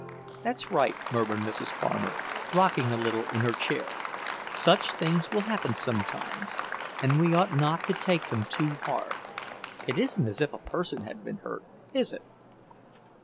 "That's right," murmured Mrs. Farmer, rocking a little in her chair. "Such things will happen sometimes, and we ought not to take them too hard. It isn't as if a person had been hurt, is it?"